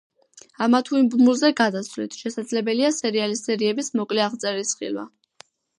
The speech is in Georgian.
ამა თუ იმ ბმულზე გადასვლით, შესაძლებელია სერიალის სერიების მოკლე აღწერის ხილვა.